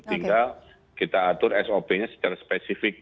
tinggal kita atur sop nya secara spesifik